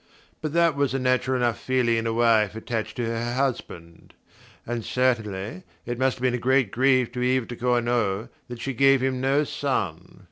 But that was a natural enough feeling in a wife attached to her husband; and certainly it must have been a great grief to Yves de Cornault that she gave him no son.